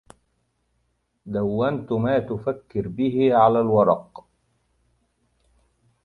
دونت ما تفكر به على الورق.